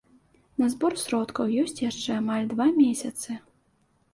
На збор сродкаў ёсць яшчэ амаль два месяцы.